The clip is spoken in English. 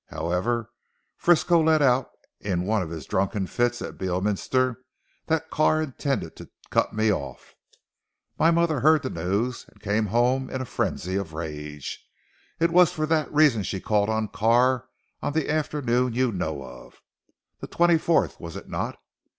However Frisco let out in one of his drunken fits at Beorminster that Carr intended to cut me off. My mother heard the news and came home in a frenzy of rage. It was for that reason she called on Carr on the afternoon you know of. The twenty fourth was it not?